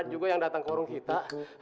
juga yang datang ke warung kita